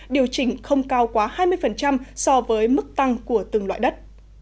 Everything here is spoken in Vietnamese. điều chỉnh không cao quá hai mươi so với mức tăng của từng loại đất